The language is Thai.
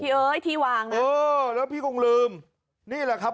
เอ้ยที่วางนะเออแล้วพี่คงลืมนี่แหละครับ